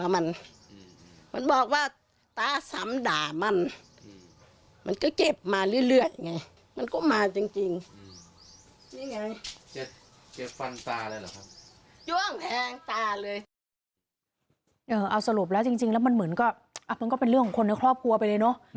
มันก็เป็นเรื่องของคนในครอบครัวไปเลยเนอะ